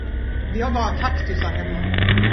Vi har bara kaktusar hemma.